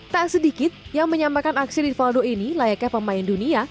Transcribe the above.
tak sedikit yang menyamakan aksi rivaldo ini layaknya pemain dunia